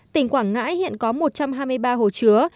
tỉnh quảng ngãi hiện có một trăm hai mươi ba hồ chứa